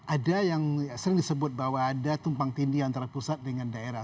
ada yang sering disebut bahwa ada tumpang tindih antara pusat dengan daerah